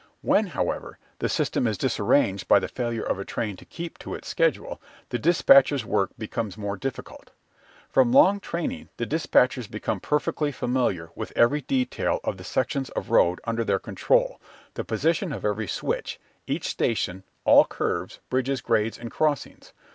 When, however, the system is disarranged by the failure of a train to keep to its schedule, the despatcher's work becomes most difficult. From long training the despatchers become perfectly familiar with every detail of the sections of road under their control, the position of every switch, each station, all curves, bridges, grades, and crossings.